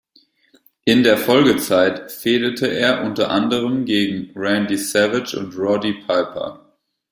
In der Folgezeit fehdete er unter anderem gegen Randy Savage und Roddy Piper.